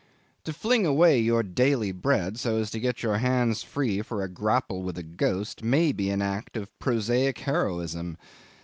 To fling away your daily bread so as to get your hands free for a grapple with a ghost may be an act of prosaic heroism.